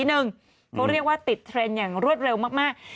เขาเรียกว่าติดเทรนด์อย่างรวดเร็วมาก